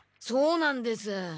そうなんです。